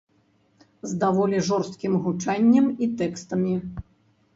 З даволі жорсткім гучаннем і тэкстамі.